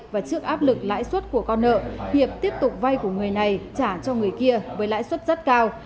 và trước áp lực lãi suất của con nợ hiệp tiếp tục vay của người này trả cho người kia với lãi suất rất cao